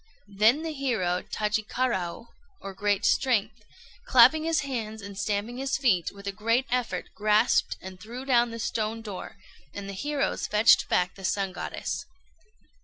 Then the hero Tajikaraô, or "Great Strength," clapping his hands and stamping his feet, with a great effort grasped and threw down the stone door, and the heroes fetched back the Sun Goddess.